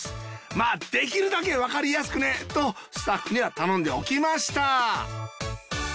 まあできるだけわかりやすくねとスタッフには頼んでおきました。